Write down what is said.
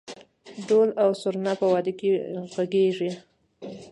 دهل او سرنا په واده کې غږیږي؟